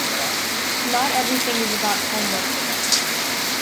Not everything is about homework.